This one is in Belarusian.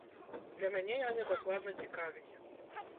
Для мяне яны дакладна цікавей.